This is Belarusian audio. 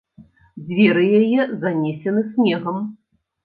Дзверы яе занесены снегам.